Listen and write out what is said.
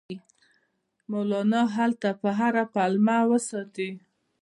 مولنا هلته په هره پلمه وساتي.